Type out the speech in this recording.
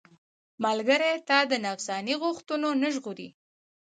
ملګری تا د نفساني غوښتنو نه ژغوري.